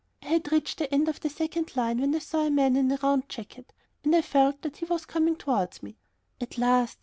I had reached the end of the second line, when I saw a man in a round jacket, and I felt that he was coming towards me. At last!